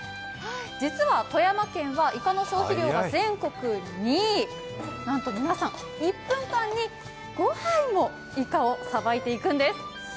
実は富山県はいかの消費量が全国２位、なんと皆さん１分間に５はいもさばいていくんです。